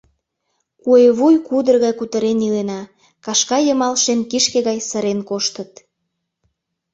Куэ вуй кудыр гай кутырен илена, кашка йымал шем кишке гай сырен коштыт.